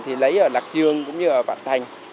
thì lấy ở lạc dương cũng như ở vạn thành